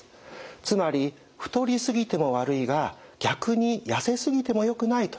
つまり太り過ぎても悪いが逆にやせすぎてもよくないという考え方なんです。